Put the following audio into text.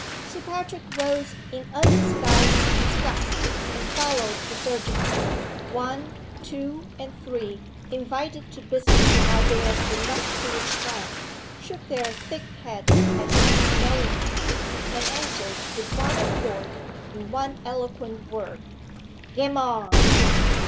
Sir Patrick rose in undisguised disgust, and followed the surgeon. One, Two, and Three, invited to business by their illustrious friend, shook their thick heads at him knowingly, and answered with one accord, in one eloquent word "Gammon!"